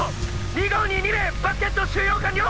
２５２２名バスケット収容完了。